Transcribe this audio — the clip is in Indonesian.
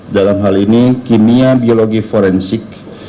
dalam hal ini kimia biologi forensik